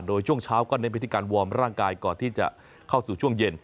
โดยช่วงเช้าก็เน้นวิธีการวอร์มร่างกายก่อนที่จะเข้าสู่ช่วงเย็น